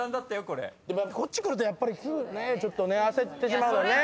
こっち来るとやっぱりちょっと焦ってしまうのよね。